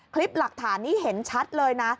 คลิปหลักฐานนี้เห็นชัดเลยนะ